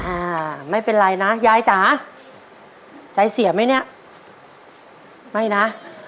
อ่าไม่เป็นไรนะยายจ๋าใจเสียไหมเนี่ยไม่นะ